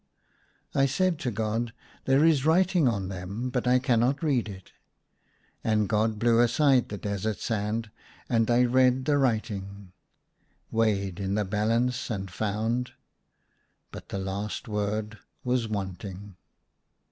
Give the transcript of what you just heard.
I said to God, " There is writing on them, but I cannot read it." And God blew aside the desert sand, and I read the writing :" Weighed in the balance, and found " but the last word was wanting.